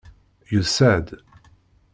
Yusa-d.